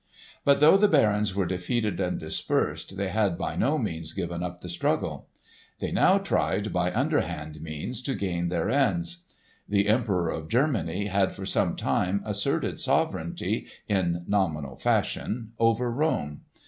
But though the barons were defeated and dispersed, they had by no means given up the struggle. They now tried by underhand means to gain their ends. The Emperor of Germany had for some time asserted sovereignty, in nominal fashion, over Rome.